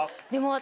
私。